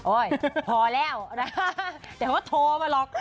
โอ๊ยพอแล้วแต่ว่าโทรมาหรอก